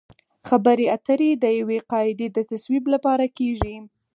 خبرې اترې د یوې قاعدې د تصویب لپاره کیږي